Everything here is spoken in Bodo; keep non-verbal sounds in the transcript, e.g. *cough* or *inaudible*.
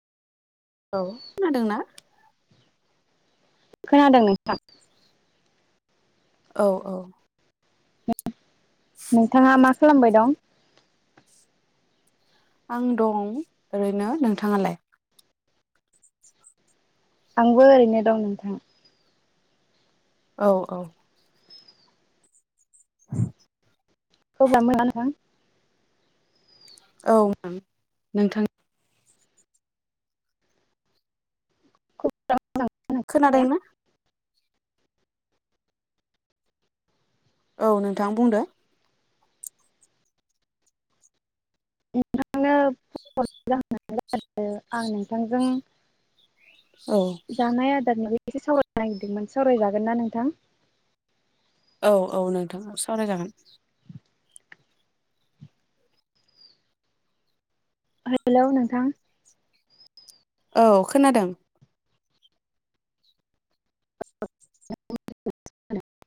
औ खोनादोंना? खोनादों नोंथां। औ औ। नोंथाङा मा खालामबाय दं? आं दं ओरैनो नोंथाङालाय? आंबो ओरैनो दं नोंथां औ औ औ अब्ला मोजां ना? औ मेम नोंथां *unintelligible* खोनादों नोंथांनिया ना? औ नोंथां बुंदो *unintelligible* आंनो बुरजा होना *unintelligible* आं नोंथांजों औ जानाय जादारनि एसे सावरायनो नागिरदोंमोन सावरायजागोन ना नोंथां? औ औ नोंथाङा सावराय जागोन, हेलौ नोंथां औ खोनादों, *inaudible*